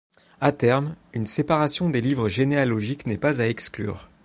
À terme, une séparation des livres généalogiques n'est pas à exclure.